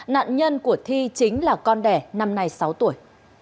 nạn nhân của thi chính là con đẻ năm nay sáu tuổi